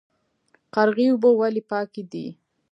قرغې اوبه ولې پاکې دي؟